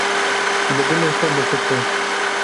Bi dilê xwe bifikre.